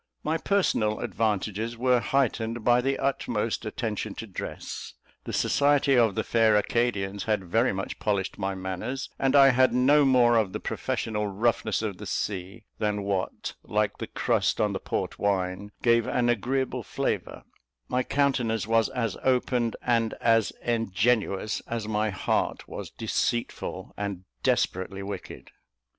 My personal advantages were heightened by the utmost attention to dress; the society of the fair Acadians had very much polished my manners, and I had no more of the professional roughness of the sea than what, like the crust on the port wine, gave an agreeable flavour; my countenance was as open and as ingenuous as my heart was deceitful and desperately wicked.